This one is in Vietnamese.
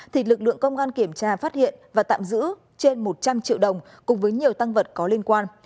thì lực lượng công an kiểm tra phát hiện và tạm giữ trên một trăm linh triệu đồng cùng với nhiều tăng vật có liên quan